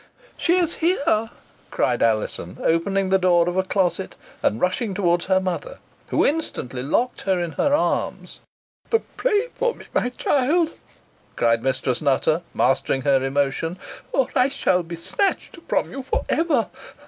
"She is here," cried Alizon, opening the door of a closet, and rushing towards her mother, who instantly locked her in her arms. "Pray for me, my child," cried Mistress Nutter, mastering her emotion, "or I shall be snatched from you for ever.